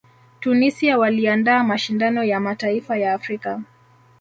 tunisia waliandaa mashindano ya mataifa ya afrika